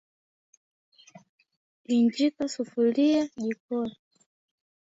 injika sufuria jikoni